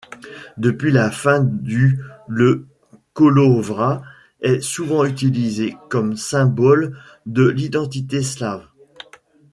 Depuis la fin du le Kolovrat est souvent utilisé comme symbole de l'identité slave.